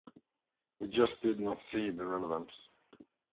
We just did not see the relevance.